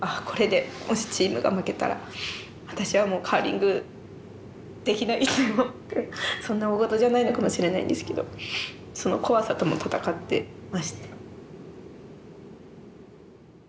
これでもしチームが負けたら私はもうカーリングできないかなってそんな大ごとじゃないのかもしれないんですけどその怖さとも闘ってました。